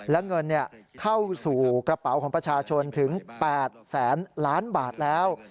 และเงินเข้าสู่กระเป๋าของประชาชนถึง๘แสนล้านบาทแล้ว